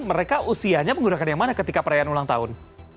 mereka usianya menggunakan yang mana ketika perayaan ulang tahun